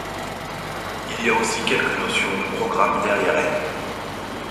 Il y a aussi quelques notions de programme derrière elles.